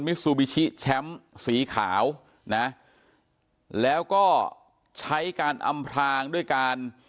ซูบิชิแชมป์สีขาวนะแล้วก็ใช้การอำพลางด้วยการ